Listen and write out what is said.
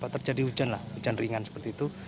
terjadi hujan lah hujan ringan seperti itu